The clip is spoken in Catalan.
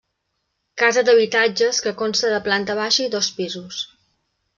Casa d'habitatges que consta de planta baixa i dos pisos.